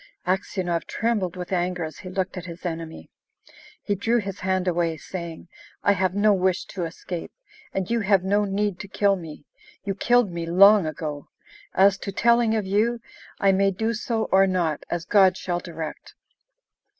Aksionov trembled with anger as he looked at his enemy. He drew his hand away, saying, "I have no wish to escape, and you have no need to kill me; you killed me long ago! As to telling of you I may do so or not, as God shall direct."